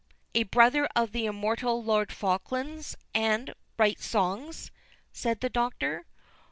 "A brother of the immortal Lord Falkland's, and write songs!" said the Doctor.